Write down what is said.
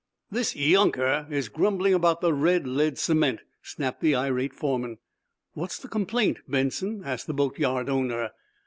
"This younker is grumbling about the red lead cement," snapped the irate foreman. "What's the complaint, Benson?" asked the boatyard owner.